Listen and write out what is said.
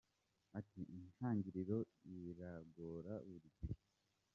Ati “ Intangiriro iragora buri gihe.